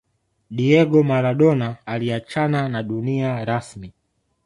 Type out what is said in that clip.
Diego Maladona aliacahana na dunia rasmi